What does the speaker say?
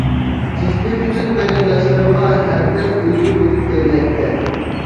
جىسمى پۈتۈن قېرىنداشلىرىغا، ھەردەم ئۈلگە بولۇپ كەلمەكتە.